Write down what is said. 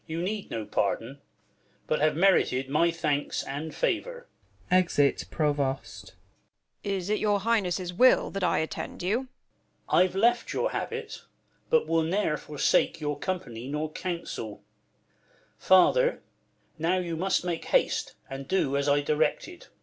You need no pardon, but have merited My thanks and favour. \_Exit Prnvosf. Frl Tho. Is it your Highness' will that I attend you 1 202 THE LAW AGAINST LOVERS. Duke. I've left your habit, but will ne'er forsake Your company nor counsel. Father, now You must make haste, and do as I directed.